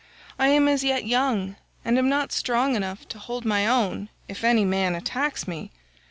I am as yet young, and am not strong enough to hold my own if any man attacks me.